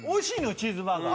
チーズバーガー。